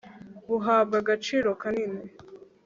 buhabwa agaciro kanini